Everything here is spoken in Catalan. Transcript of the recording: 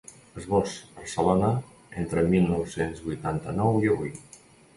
Esbós: Barcelona, entre mil nou-cents vuitanta-nou i avui.